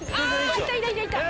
いたいたいたいた！